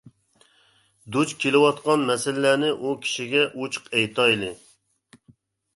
دۇچ كېلىۋاتقان مەسىلىلەرنى ئۇ كىشىگە ئوچۇق ئېيتايلى.